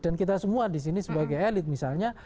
dan kita semua disini sebagai elit misalnya